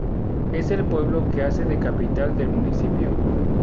Es el pueblo que hace de capital del municipio.